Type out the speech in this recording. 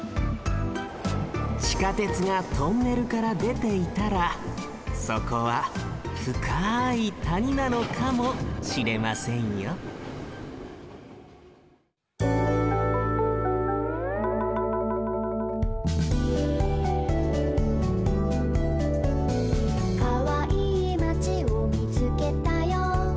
地下鉄がトンネルからでていたらそこはふかいたになのかもしれませんよ「かわいいまちをみつけたよ」